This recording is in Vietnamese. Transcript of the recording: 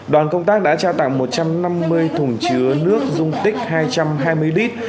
đoàn công tác đã trao tặng một trăm năm mươi thùng chứa nước dung tích hai trăm hai mươi lít